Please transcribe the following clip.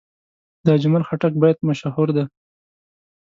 د اجمل خټک بیت مشهور دی.